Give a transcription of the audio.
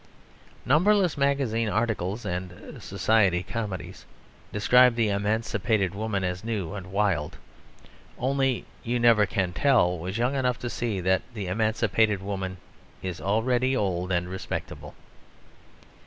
Numberless magazine articles and society comedies describe the emancipated woman as new and wild. Only You Never Can Tell was young enough to see that the emancipated woman is already old and respectable.